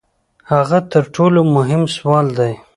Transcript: هغه تر ټولو مهم سوال دی.